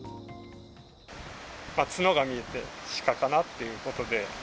角が見えて、シカかなっていうことで。